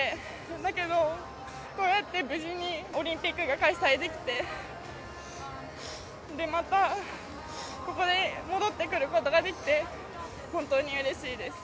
だけどこうやって無事にオリンピックが開催できて、またここに戻ってくることができて、本当にうれしいです。